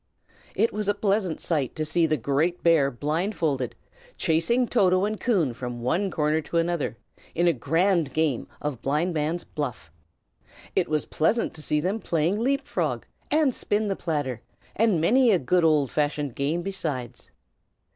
It was a pleasant sight to see the great bear blindfolded, chasing Toto and Coon from one corner to another, in a grand game of blindman's buff; it was pleasant to see them playing leap frog, and spin the platter, and many a good old fashioned game besides.